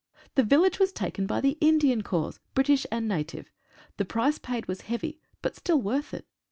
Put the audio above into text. The vil lage was taken by the Indian Corps — British and native. The price paid was heavy, but still worth it.